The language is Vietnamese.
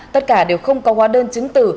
tất cả đều không có hóa đơn chứng tử